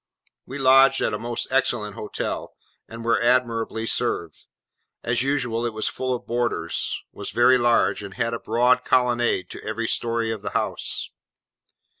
We lodged at a most excellent hotel, and were admirably served. As usual it was full of boarders, was very large, and had a broad colonnade to every story of the house.